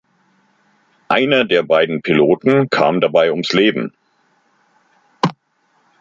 Einer der beiden Piloten kam dabei ums Leben.